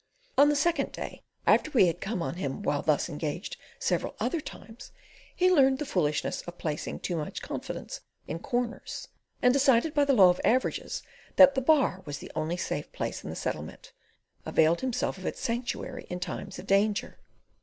On the second day, after we had come on him while thus engaged several other times, he learned the foolishness of placing too much confidence in corners, and deciding by the law of averages that the bar was the only safe place in the Settlement, availed himself of its sanctuary in times of danger.